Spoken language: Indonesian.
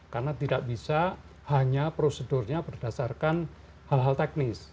karena tidak bisa hanya prosedurnya berdasarkan hal hal teknis